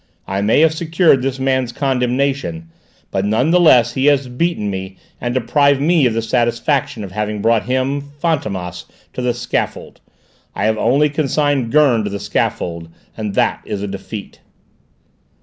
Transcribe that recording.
I may have secured this man's condemnation, but none the less he has beaten me and deprived me of the satisfaction of having brought him, Fantômas, to the scaffold! I have only consigned Gurn to the scaffold, and that is a defeat!"